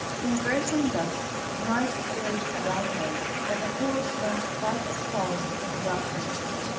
Conversing thus, night closed around them, but the horse went quite as fast in the darkness.